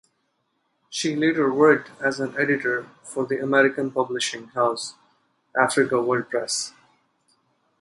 She later worked as an editor for the American publishing house Africa World Press.